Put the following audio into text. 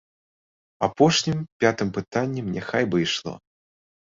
Апошнім, пятым пытаннем няхай бы ішло.